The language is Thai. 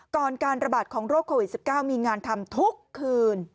การระบาดของโรคโควิด๑๙มีงานทำทุกคืน